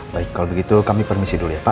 baik kalau begitu kami permisi dulu ya pak